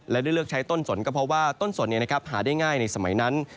และได้เลือกใช้ต้นสนก็เพราะว่าต้นสนหาได้ง่ายในสมัยนั้น